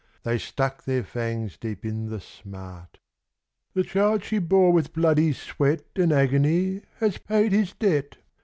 They stuck their fangs deep in the smart. ' The child she bore with bloody sweat And agony has paid his debt.